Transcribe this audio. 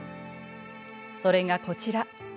それがこちら。